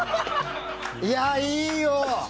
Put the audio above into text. いや、いいよ！